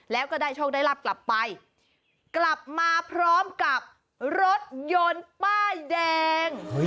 แล้วก็ได้โชคได้รับกลับไปกลับมาพร้อมกับรถยนต์ป้ายแดง